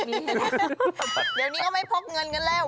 เดี๋ยวนี้เขาไม่พกเงินกันแล้ว